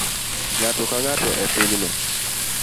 Ng'ato ka ng'ato e pinyno